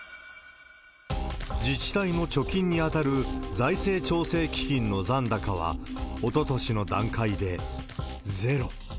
自治体の貯金に当たる財政調整基金の残高は、おととしの段階でゼロ。